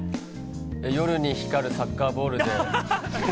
夜に光るサッカーボールで。